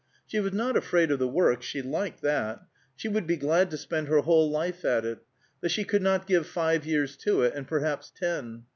She was not afraid of the work; she liked that; she would be glad to spend her whole life at it; but she could not give five years to it, and perhaps ten.